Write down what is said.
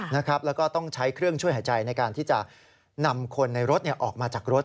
แล้วก็ต้องใช้เครื่องช่วยหายใจในการที่จะนำคนในรถออกมาจากรถ